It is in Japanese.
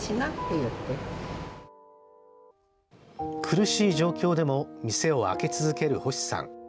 苦しい状況でも店を開け続ける星さん。